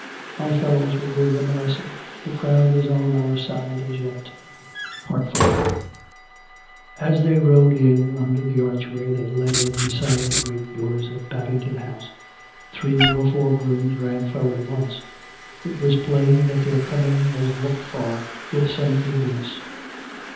" My fellows will give them a lesson. The crowd is on our side as yet." IV As they rode in under the archway that led in beside the great doors of Babington House, three or four grooms ran 224. COME RACK! COME ROPE! forward at once. It was plain that tlieir coming was looked for with some eagerness.